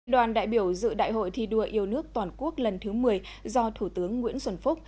đoàn đại biểu dự đại hội thi đua yêu nước toàn quốc lần thứ một mươi do thủ tướng nguyễn xuân phúc